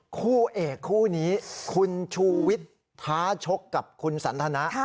คู่เอกคู่นี้คุณชูวิทย์ท้าชกกับคุณสันทนะ